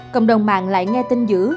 cộng đồng mạng lại nghe tin dữ